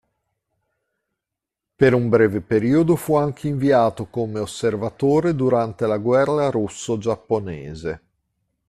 Per un breve periodo fu anche inviato come osservatore durante la Guerra russo-giapponese.